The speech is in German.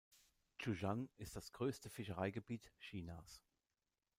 Zhoushan ist das größte Fischereigebiet Chinas.